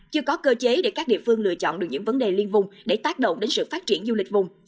chưa có cơ chế để các địa phương lựa chọn được những vấn đề liên vùng để tác động đến sự phát triển du lịch vùng